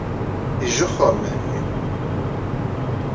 Ijexxeṛ Mhenni.